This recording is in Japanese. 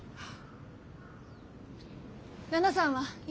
奈々さんは今。